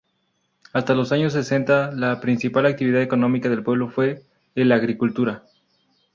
Hasta los años sesenta la principal actividad económica del pueblo fue el agricultura.